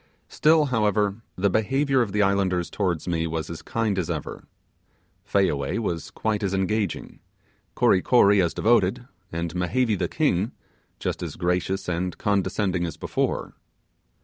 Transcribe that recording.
Still, however, the behaviour of the islanders towards me was as kind as ever. Fayaway was quite as engaging; Kory Kory as devoted; and Mehevi the king just as gracious and condescending as before.